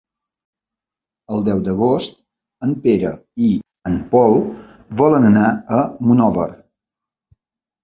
El deu d'agost en Pere i en Pol volen anar a Monòver.